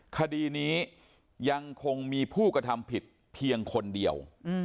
คดีนี้ยังคงมีผู้กระทำผิดเพียงคนเดียว